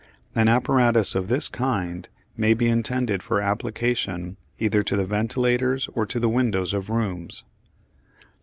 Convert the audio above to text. An apparatus of this kind may be intended for application either to the ventilators or to the windows of rooms.